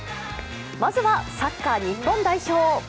まずは、サッカー日本代表。